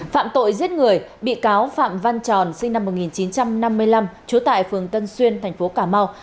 phạm tội giết người bị cáo phạm văn tròn sinh năm một nghìn chín trăm năm mươi năm trú tại phường tân xuyên thành phố cà mau